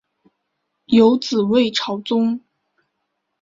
有子魏朝琮。